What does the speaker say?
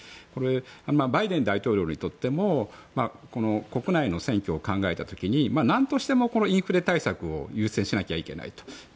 バイデン大統領にとっても国内の選挙を考えた時に何としてもインフレ対策を優先しなきゃいけないと。